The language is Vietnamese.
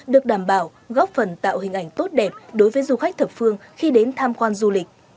được đảm bảo góp phần tạo hình ảnh tốt đẹp đối với du khách thập phương khi đến tham quan du lịch